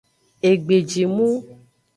Egbejimu.